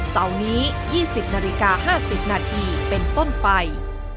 เสาร์นี้๒๐นาฬิกา๕๐นาทีเป็นต้นไป